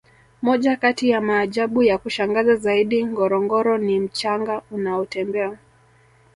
moja kati ya maajabu ya kushangaza zaidi ngorongoro ni mchanga unaotembea